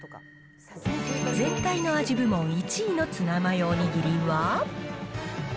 全体の味部門１位のツナマヨお握りは。